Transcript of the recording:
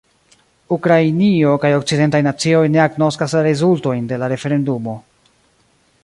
Ukrainio kaj okcidentaj nacioj ne agnoskas la rezultojn de la referendumo.